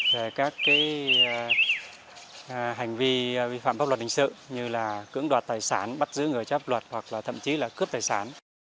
về các hành vi vi phạm pháp luật hình sự như là cưỡng đoạt tài sản bắt giữ người chấp luật hoặc là thậm chí là cướp tài sản